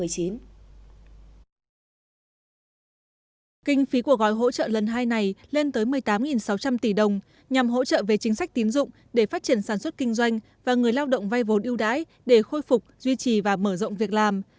kinh phí của gói hỗ trợ lần hai này lên tới một mươi tám sáu trăm linh tỷ đồng nhằm hỗ trợ về chính sách tín dụng để phát triển sản xuất kinh doanh và người lao động vay vốn ưu đãi để khôi phục duy trì và mở rộng việc làm